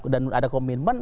dan ada komitmen